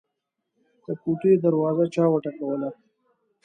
د کوټې دروازه چا وټکوله.